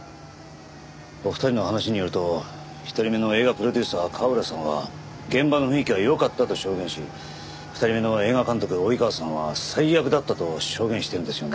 お二人の話によると１人目の映画プロデューサー川浦さんは現場の雰囲気は良かったと証言し２人目の映画監督の及川さんは最悪だったと証言してるんですよね。